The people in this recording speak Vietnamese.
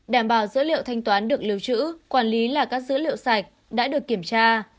đảm bảo dữ liệu thanh toán được lưu trữ quản lý là các dữ liệu sạch đã được kiểm tra